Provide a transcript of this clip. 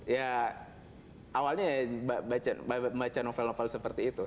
ya awalnya ya baca novel novel seperti itu